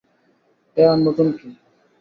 এ আর নতুন কি।